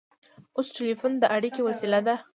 اوس ټیلیفون د اړیکې وسیله ده.